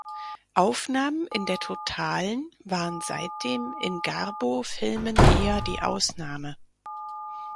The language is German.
Aufnahmen in der Totalen waren seitdem in Garbo-Filmen eher die Ausnahme.